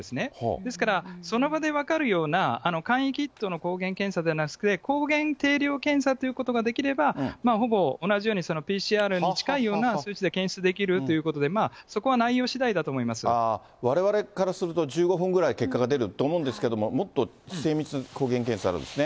ですから、その場で分かるような簡易キットの抗原検査ではなくて、抗原定量検査ということができれば、ほぼ同じようにＰＣＲに近いような数値で検出できるということで、われわれからすると、１５分ぐらいで結果が出ると思うんですけども、もっと精密、抗原検査があるんですね。